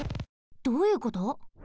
どういうこと？